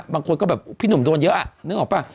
บางคนก็แบบพี่หนุ่มโดนเยอะนึกออกป่ะ